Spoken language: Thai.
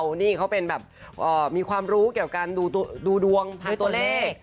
โอ้โหนี่เค้าเป็นแบบมีความรู้เกี่ยวกับดูดวงทางตัวเลข